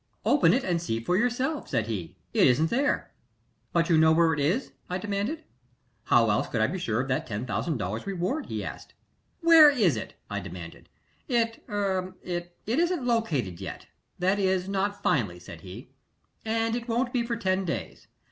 "Open it and see for yourself," said he. "It isn't there." "But you know where it is?" I demanded. "How else could I be sure of that $10,000 reward?" he asked. "Where is it?" I demanded. "It er it isn't located yet that is, not finally," said he. "And it won't be for ten days.